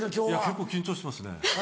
結構緊張しますね。